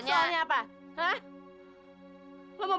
jadi lo yang dulu lagi